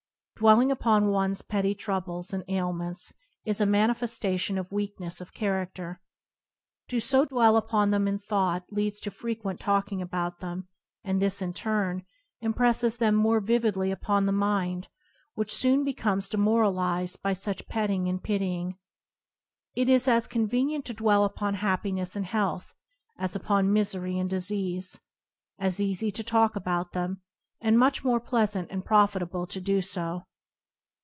Dwelling upon one's petty troubles and ailments is a manifestation of weakness of character. To so dwell upon them in thought leads to frequent talking about them, and this, in turn, impresses them more vividly upon the mind, which soon becomes de moralized by such petting and pitying. It is as convenient to dwell upon happiness and health as upon misery and disease; as easy to talk about them, and much more pleasant and profitable to do so.